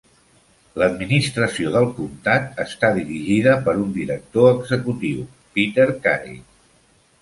L'administració del comtat està dirigida per un director executiu, Peter Carey.